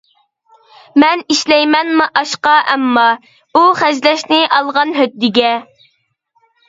مەن ئىشلەيمەن مائاشقا ئەمما، ئۇ خەجلەشنى ئالغان ھۆددىگە.